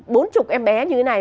bốn chục em bé như thế này